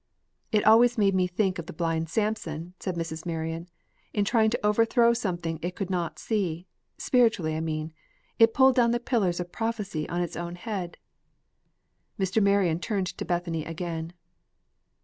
"It always made me think of the blind Samson," said Mrs. Marion. "In trying to overthrow something it could not see, spiritually I mean, it pulled down the pillars of prophecy on its own head." Mr. Marion turned to Bethany again.